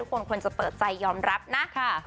ทุกคนควรจะเปิดใจยอมรับนะ